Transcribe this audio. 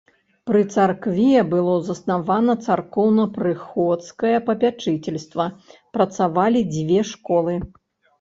Пры царкве было заснавана царкоўна-прыходскае папячыцельства, працавалі дзве школы.